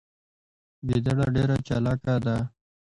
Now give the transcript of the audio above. ګیدړه ډیره چالاکه ده